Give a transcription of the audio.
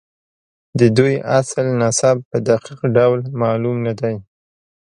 د دوی اصل نسب په دقیق ډول معلوم نه دی.